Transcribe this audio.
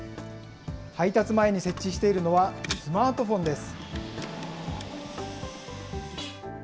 配達前に設置しているのは、スマートフォンです。